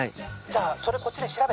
「じゃあそれこっちで調べて」